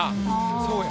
そうや。